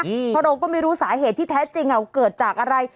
เพราะเราก็ไม่รู้สาเหตุที่แท้จริงเกิดจากอะไร